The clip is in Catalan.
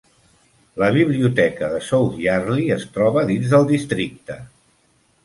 La biblioteca de South Yardley es troba dins del districte.